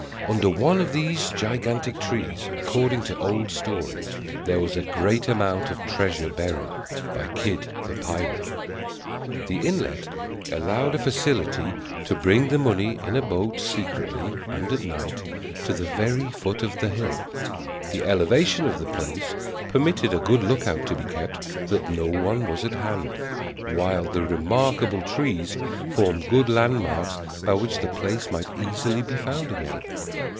Under one of these gigantic trees, according to old stories, there was a great amount of treasure buried by Kidd the pirate. The inlet allowed a facility to bring the money in a boat secretly, and at night, to the very foot of the hill; the elevation of the place permitted a good lookout to be kept that no one was at hand; while the remarkable trees formed good landmarks by which the place might easily be found again.